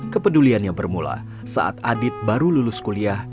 kepeduliannya bermula saat adit baru lulus kuliah